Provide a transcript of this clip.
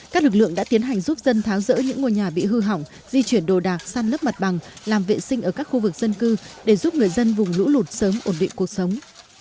các lực lượng đã tiến hành giúp dân tháo rỡ những ngôi nhà bị hư hỏng di chuyển đồ đạc săn lấp mặt bằng làm vệ sinh ở các khu vực dân cư để giúp người dân vùng lũ lụt sớm ổn định cuộc sống